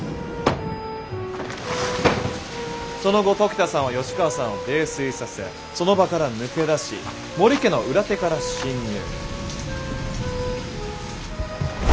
その後時田さんは吉川さんを泥酔させその場から抜け出し母里家の裏手から侵入。